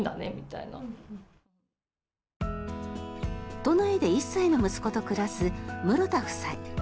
都内で１歳の息子と暮らすムロタ夫妻。